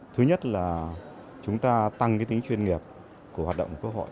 thứ nhất là chúng ta tăng tính chuyên nghiệp của hoạt động của quốc hội